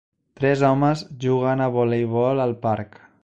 Tres homes juguen a voleibol al parc.